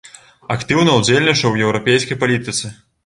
Актыўна ўдзельнічаў у еўрапейскай палітыцы.